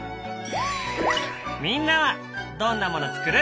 みんなはどんなもの作る？